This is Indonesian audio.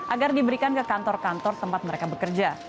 agar diberikan ke kantor kantor tempat mereka bekerja